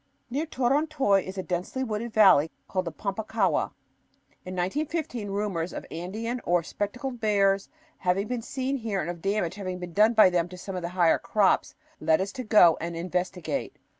Near Torontoy is a densely wooded valley called the Pampa Ccahua. In 1915 rumors of Andean or "spectacled" bears having been seen here and of damage having been done by them to some of the higher crops, led us to go and investigate.